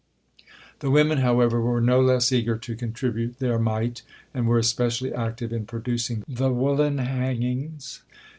The women, however, were no less eager to contribute their mite, and were especially active in producing the woolen hangings.